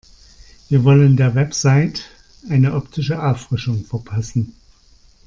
Wir wollen der Website eine optische Auffrischung verpassen.